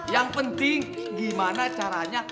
yang penting gimana caranya